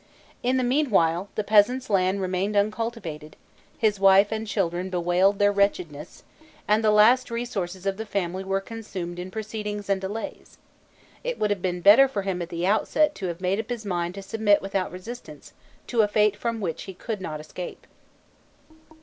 In the mean while the peasants' land remained uncultivated, his wife and children bewailed their wretchedness, and the last resources of the family were consumed in proceedings and delays: it would have been better for him at the outset to have made up his mind to submit without resistance to a fate from which he could not escape.